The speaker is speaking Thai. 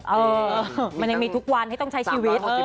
เออมันยังมีทุกวันให้ต้องใช้ชีวิต